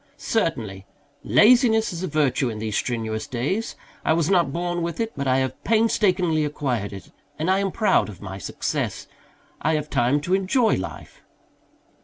"Certainly. Laziness is a virtue in these strenuous days, I was not born with it, but I have painstakingly acquired it, and I am proud of my success. I have time to enjoy life."